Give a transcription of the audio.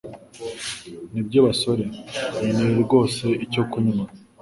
Nibyo basore, nkeneye rwose icyo kunywa.